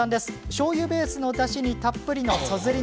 しょうゆベースのだしにたっぷりの、そずり